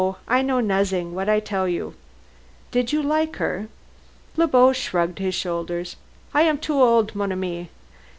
I know nozzin' but what I tell you." "Did you like her?" Le Beau shrugged his shoulders. "I am too old, mon ami.